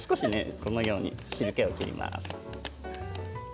このように水けを切ります。